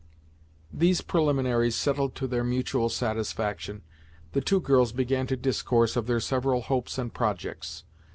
These preliminaries settled to their mutual satisfaction, the two girls began to discourse of their several hopes and projects.